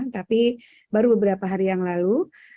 tapi baru beberapa hari yang lalu